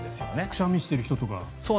くしゃみしている人とか。